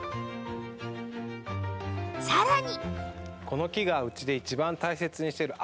さらに。